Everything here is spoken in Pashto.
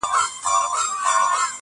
ما او تا د وخت له ښايستو سره راوتي يـو.